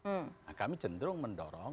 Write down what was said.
nah kami cenderung mendorong